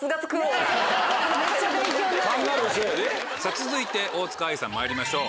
続いて大塚愛さんまいりましょう。